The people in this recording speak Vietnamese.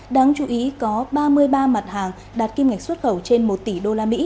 đáng chú ý có ba mươi ba mặt hàng đạt kim ngạch xuất khẩu trên một tỷ usd